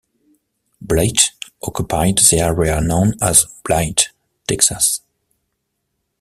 Blythe occupied the area known as Blythe, Texas.